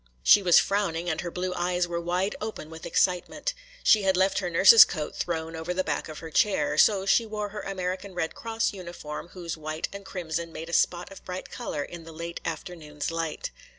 She was frowning and her blue eyes were wide open with excitement. She had left her nurse's coat thrown over the back of her chair. So she wore her American Red Cross uniform, whose white and crimson made a spot of bright color in the late afternoon's light.